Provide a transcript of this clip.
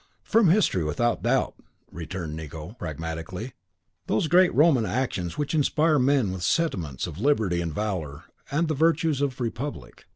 "From history, without doubt," returned Nicot, pragmatically, "those great Roman actions which inspire men with sentiments of liberty and valour, with the virtues of a republic.